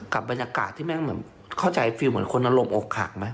กับบรรยากาศที่แม่งเหมือนเข้าใจฟิลเหมือนคนอารมณ์อกหักไหม